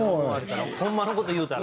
ホンマの事言うたら。